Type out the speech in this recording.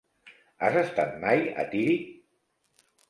Has estat mai a Tírig?